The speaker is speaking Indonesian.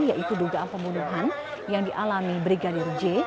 yaitu dugaan pembunuhan yang dialami brigadir j